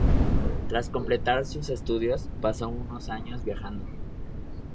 Tras completar sus estudios, pasó unos años viajando.